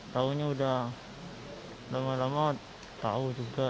tahunya udah lama lama tahu juga